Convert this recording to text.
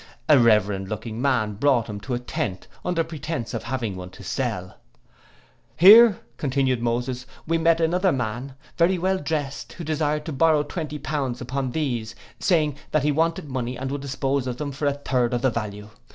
A reverend looking man brought him to a tent, under pretence of having one to sell. 'Here,' continued Moses, 'we met another man, very well drest, who desired to borrow twenty pounds upon these, saying, that he wanted money, and would dispose of them for a third of the value.